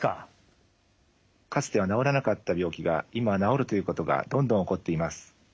かつては治らなかった病気が今は治るということがどんどん起こっています。